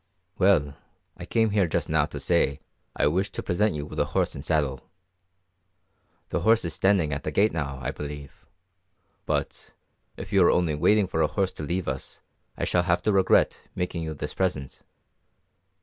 "Well, I came here just now to say I wish to present you with a horse and saddle. The horse is standing at the gate now, I believe; but, if you are only waiting for a horse to leave us I shall have to regret making you this present.